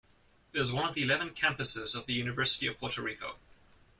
It is one of the eleven campuses of the University of Puerto Rico.